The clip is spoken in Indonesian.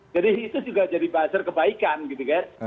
jadi itu juga jadi buzzer kebaikan gitu kan